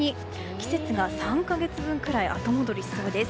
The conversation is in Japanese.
季節が３か月分くらい後戻りしそうです。